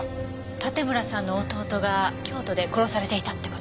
盾村さんの弟が京都で殺されていたって事？